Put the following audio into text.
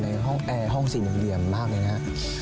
ในห้องแอร์ห้องศิลป์โรงเรียนมากเลยนะ